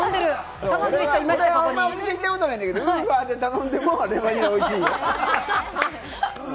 俺、お店に行ったことないんだけれども、ウーバーで頼んでも、レバニラおいしいよ！